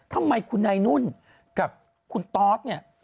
ทำไมคุณนายนุ่นกับคุณตอสเนี่ย